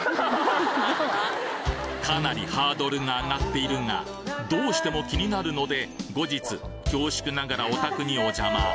かなりハードルが上がっているがどうしても気になるので後日恐縮ながらお宅にお邪魔。